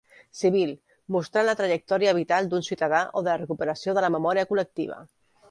Civil: mostrant la trajectòria vital d'un ciutadà o de la recuperació de la memòria col·lectiva.